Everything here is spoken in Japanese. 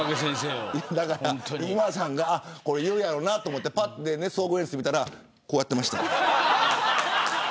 今田さんがこれ言うだろうなと思って総合演出を見たらこうやってました。